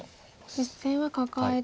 実戦はカカえて。